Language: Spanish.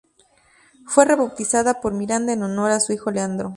Fue rebautizada por Miranda en honor a su hijo Leandro.